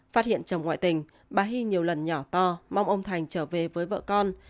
phát hiện chồng ngoại tình bà hy nhiều lần nhỏ to mong ông thành trở về với vợ con